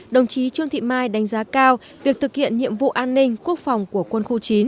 đồng chí trương thị mai đánh giá cao việc thực hiện nhiệm vụ an ninh quốc phòng của quân khu chín